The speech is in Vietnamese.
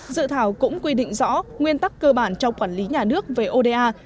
dự thảo cũng quy định rõ nguyên tắc cơ bản trong quản lý nhà nước về oda